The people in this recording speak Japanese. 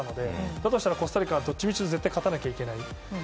だとしたらコスタリカはどっちみち絶対勝たなきゃいけない。